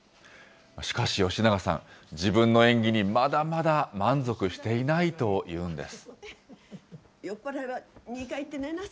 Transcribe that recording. しかし、吉永さん、自分の演技にまだまだ満足していないというんです。